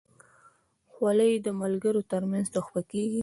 خولۍ د ملګرو ترمنځ تحفه کېږي.